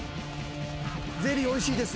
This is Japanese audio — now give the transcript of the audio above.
ゼリーおいしいです